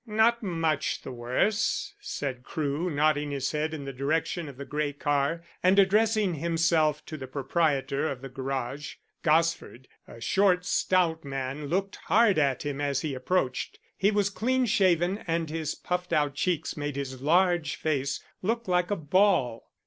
"Not much the worse," said Crewe, nodding his head in the direction of the grey car, and addressing himself to the proprietor of the garage. Gosford, a short stout man, looked hard at him as he approached. He was clean shaven, and his puffed out cheeks made his large face look like a ball.